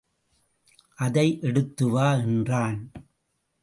அதை எடுத்துவா என்றான்.